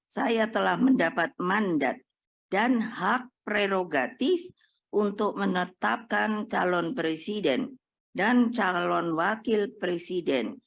saya telah mendapat mandat dan hak prerogatif untuk menetapkan calon presiden dan calon wakil presiden